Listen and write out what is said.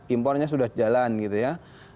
impornya sudah jalan gitu ya